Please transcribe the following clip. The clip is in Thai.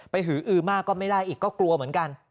หืออือมากก็ไม่ได้อีกก็กลัวเหมือนกัน